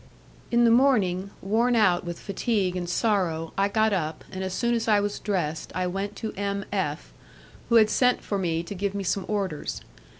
In the morning, worn out with fatigue and sorrow, I got up, and as soon as I was dressed I went to M. F , who had sent for me to give me some orders.